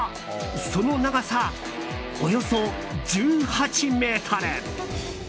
その長さ、およそ１８ｍ。